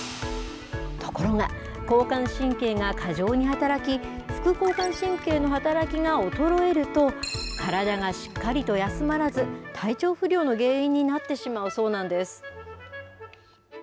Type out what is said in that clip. ところが、交換神経が過剰に働き、副交感神経の働きが衰えると、体がしっかりと休まらず、体調不良の原因になってしまうそうなんです。